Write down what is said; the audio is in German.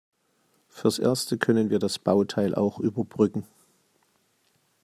Fürs Erste können wir das Bauteil auch überbrücken.